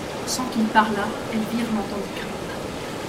Sans qu'il parlât, Elvire l'entendit craindre.